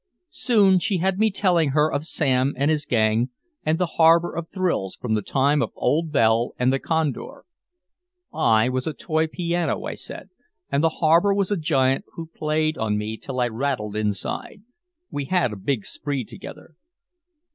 Soon she had me telling her of Sam and his gang and the harbor of thrills, from the time of old Belle and the Condor. "I was a toy piano," I said. "And the harbor was a giant who played on me till I rattled inside. We had a big spree together."